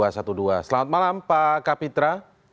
selamat malam pak kapitra